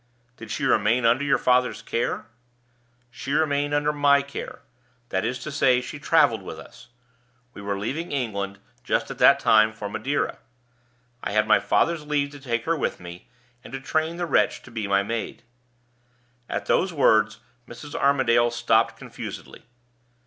"Did she remain under your father's care?" "She remained under my care; that is to say, she traveled with us. We were leaving England, just as that time, for Madeira. I had my father's leave to take her with me, and to train the wretch to be my maid " At those words Mrs. Armadale stopped confusedly.